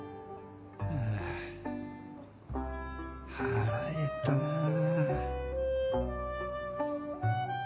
あぁ腹へったなぁ。